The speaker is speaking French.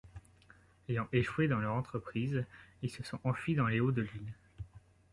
Ayant échoué dans leur entreprise, ils se sont enfuis dans les Hauts de l'île.